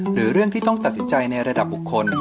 หรือเรื่องที่ต้องตัดสินใจในระดับบุคคล